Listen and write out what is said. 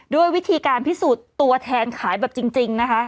ด้วยวิธีการพิสูจน์ตัวแทนขายแบบจริงนะคะ